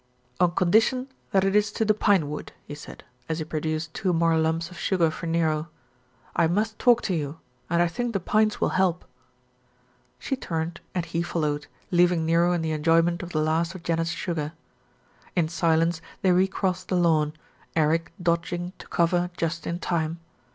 "On condition that it is to the pinewood," he said, as he produced two more lumps of sugar for Nero. "I must talk to you, and I think the pines will help." She turned and he followed, leaving Nero in the en joyment of the last of Janet's sugar. In silence they recrossed the lawn, Eric dodging to cover just in time.